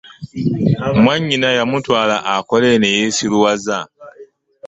Mwannyina yamutwala akole ne yeesiruwaza.